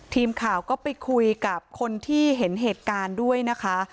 ทีมข่าวก็ไปคุยกับคนที่เห็นเหตุการณ์ด้วยนะคะ